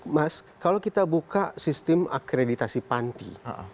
mas kalau kita buka sistem akreditasi panti